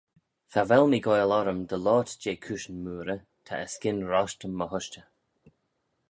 Cha vel mee-goaill orrym dy loayrt jeh cooishyn mooarey: ta erskyn roshtyn my hushtey.